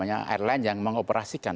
airline yang mengoperasikan